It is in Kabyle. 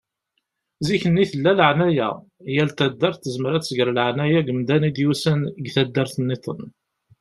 Zikk-nni tella laεnaya. Yal taddart tezmer ad tger laεnaya deg umdan i d-yusan seg taddart-nniḍen.